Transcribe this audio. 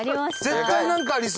絶対なんかありそう！